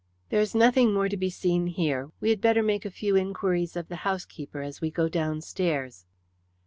There is nothing more to be seen here. We had better make a few inquiries of the housekeeper as we go downstairs."